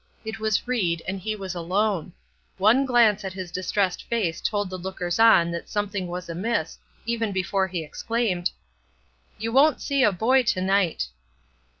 It was Ried, and he was alone! One glance at his distressed face told the lookers on that something was amiss, even before he exclaimed: "You won't see a boy to night!"